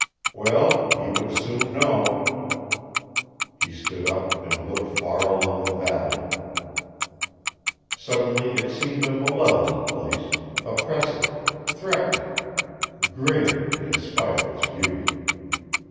Well, he would soon know. He stood up and looked far along the valley. Suddenly it seemed a malevolent place, oppressive, threatening, grim in spite of its beauty.